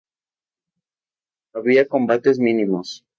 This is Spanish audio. Había combates mínimos.